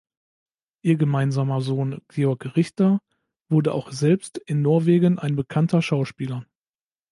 Ihr gemeinsamer Sohn Georg Richter wurde auch selbst in Norwegen ein bekannter Schauspieler.